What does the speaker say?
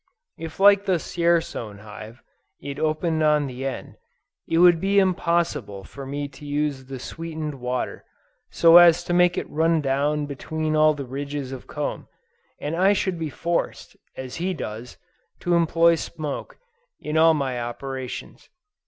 If like the Dzierzon hive, it opened on the end, it would be impossible for me to use the sweetened water, so as to make it run down between all the ranges of comb, and I should be forced, as he does, to employ smoke, in all my operations.